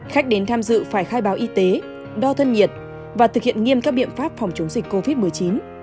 khách đến tham dự phải khai báo y tế đo thân nhiệt và thực hiện nghiêm các biện pháp phòng chống dịch covid một mươi chín